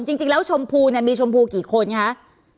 จริงแล้วชมพูมีชมพูกี่คนนะคะ